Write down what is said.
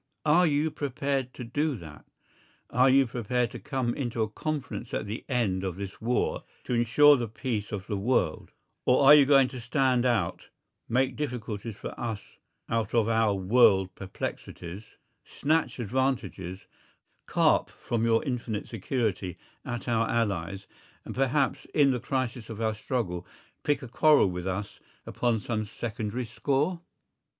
Are you prepared to do that? Are you prepared to come into a conference at the end of this war to ensure the peace of the world, or are you going to stand out, make difficulties for us out of our world perplexities, snatch advantages, carp from your infinite security at our Allies, and perhaps in the crisis of our struggle pick a quarrel with us upon some secondary score?